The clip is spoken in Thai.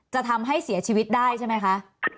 จะทำให้เสียชีวิตได้ใช่ไหมคะ